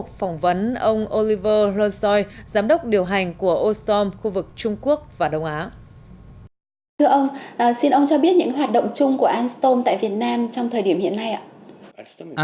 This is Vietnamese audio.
thưa ông xin ông cho biết những hoạt động chung của alstom tại việt nam trong thời điểm hiện nay ạ